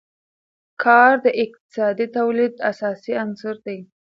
کار د اقتصادي تولید اساسي عنصر دی.